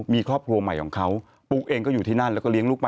ที่ทราบข่าวเนี่ยนะฮะ